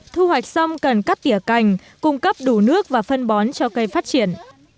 thu hoạch xong cần cắt tỉa cành cung cấp đủ nước và phân bón cho cây phát triển